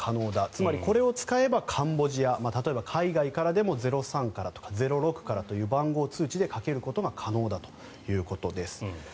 つまり、これを使えばカンボジア、例えば海外からでも「０３」からとか「０６」からという番号通知でかけることが可能だということです。